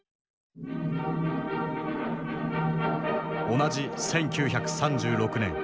同じ１９３６年。